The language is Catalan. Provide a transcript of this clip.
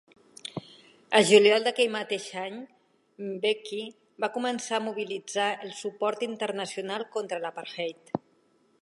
El juliol d'aquell mateix any, Mbeki va començar a mobilitzar el suport internacional contra l'apartheid.